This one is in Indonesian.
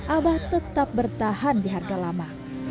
abah tetap bertahan di harga lama